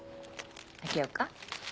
開けようか？